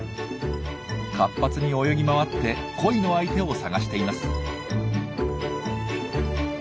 活発に泳ぎ回って恋の相手を探しています。